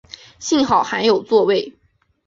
幸好还有座位